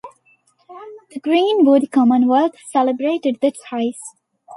The "Greenwood Commonwealth" celebrated the choice.